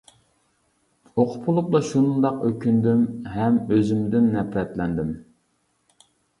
ئوقۇپ بولۇپلا شۇنداق ئۆكۈندۈم ھەم ئۆزۈمدىن نەپرەتلەندىم.